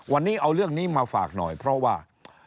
วันนี้เอาเรื่องนี้มาฝากหน่อยเพราะว่า